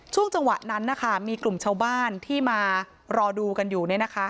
ช่วงจังหวะนั้นนะคะมีกลุ่มชาวบ้านที่มารอดูกันอยู่